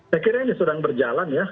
saya kira ini sedang berjalan ya